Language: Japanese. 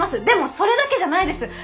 でもそれだけじゃないです！